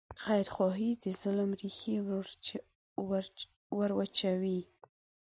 خیرخواهي د ظلم ریښې وروچوي.